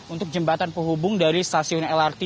untuk jembatan perhubung dari stasiun lrt duku atas